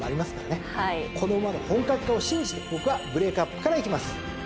この馬の本格化を信じて僕はブレークアップからいきます！